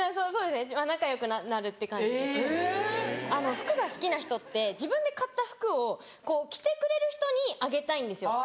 服が好きな人って自分で買った服を着てくれる人にあげたいんですよ